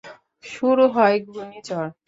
শুরু হয় ঘূর্ণিঝড়।